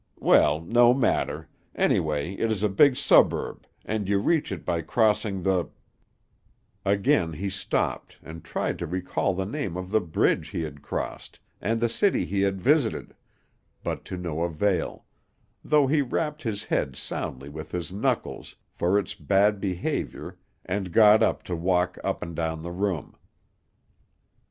Well, no matter; anyway it is a big suburb, and you reach it by crossing the " Again he stopped, and tried to recall the name of the bridge he had crossed, and the city he had visited, but to no avail; though he rapped his head soundly with his knuckles, for its bad behavior, and got up to walk up and down the room.